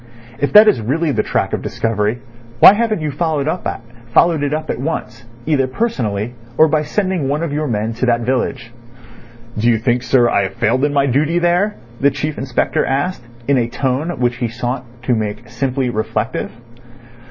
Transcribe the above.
If that is really the track of discovery, why haven't you followed it up at once, either personally or by sending one of your men to that village?" "Do you think, sir, I have failed in my duty there?" the Chief Inspector asked, in a tone which he sought to make simply reflective.